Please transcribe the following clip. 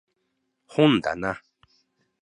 本だな